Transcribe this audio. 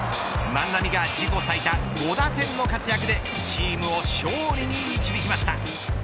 万波が自己最多５打点の活躍でチームを勝利に導きました。